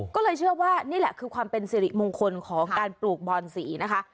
ก็เลยเชื่อว่านี่แหละคือความเป็นสิริมงคลของการปลูกบอนสีนะคะ